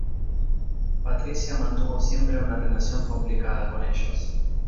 Patricia mantuvo siempre una relación complicada con ellos.